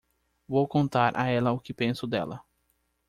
Vou contar a ela o que penso dela!